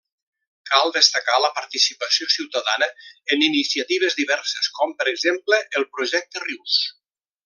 Cal destacar la participació ciutadana en iniciatives diverses com, per exemple, el Projecte Rius.